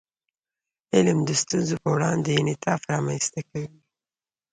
علم د ستونزو په وړاندې انعطاف رامنځته کوي.